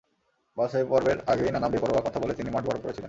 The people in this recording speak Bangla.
বাছাই পর্বের আগেই নানা বেপরোয়া কথা বলে তিনি মাঠ গরম করেছিলেন।